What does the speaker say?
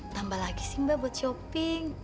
tambah lagi sih mbak buat shopping